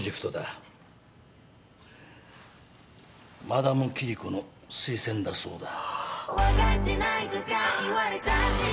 マダムキリコの推薦だそうだ。